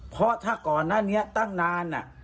เพราะถ้าก่อนนั้นเนี่ยตั้งนาน